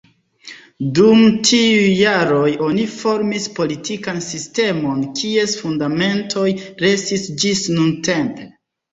Dum tiuj jaroj oni formis politikan sistemon kies fundamentoj restis ĝis nuntempe.